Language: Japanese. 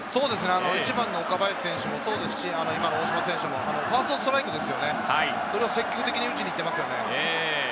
１番の岡林選手も、そして大島選手もファーストストライクを積極的に打ちに行っています。